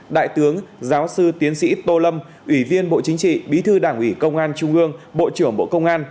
đại tướng giáo sư tiến sĩ tô lâm ủy viên bộ chính trị bí thư đảng ủy công an trung ương bộ trưởng bộ công an